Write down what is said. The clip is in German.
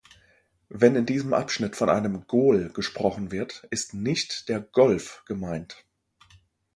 Wenn in diesem Abschnitt von einem "Gol" gesprochen wird, ist "nicht" der "Golf" gemeint.